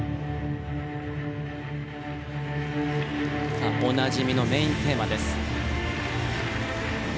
さあおなじみのメインテーマです。